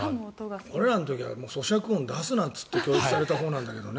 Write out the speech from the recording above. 俺らの時はそしゃく音出すなって教育されたほうなんだけどね。